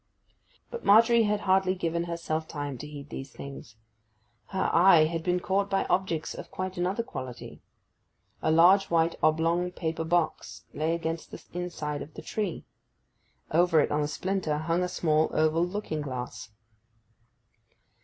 But Margery had hardly given herself time to heed these things. Her eye had been caught by objects of quite another quality. A large white oblong paper box lay against the inside of the tree; over it, on a splinter, hung a small oval looking glass.